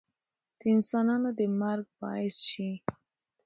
د انسانانو د مرګ باعث شي